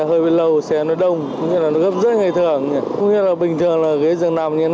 hơi lâu xe nó đông như là nó gấp dưới ngày thường cũng như là bình thường là ghế giường nằm như thế